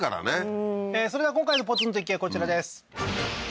うんそれでは今回のポツンと一軒家こちらです